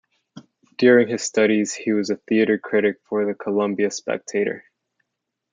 During his studies, he was a theater critic for the "Columbia Spectator".